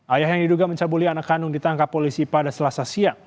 ayah yang diduga mencabuli anak kandung ditangkap polisi pada selasa siang